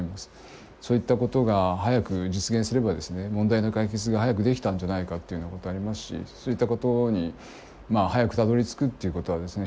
そういったことが早く実現すればですね問題の解決が早くできたんじゃないかっていうようなことありますしそういったことに早くたどりつくっていうことはですね